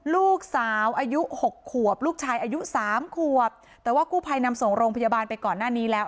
ลูกสาวอายุหกขวบลูกชายอายุสามขวบแต่ว่ากู้ภัยนำส่งโรงพยาบาลไปก่อนหน้านี้แล้ว